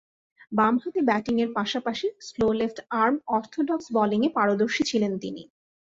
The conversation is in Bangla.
বামহাতে ব্যাটিংয়ের পাশাপাশি স্লো লেফট-আর্ম অর্থোডক্স বোলিংয়ে পারদর্শী ছিলেন তিনি।